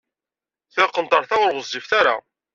Tiqenṭert-a ur ɣezzifet ara.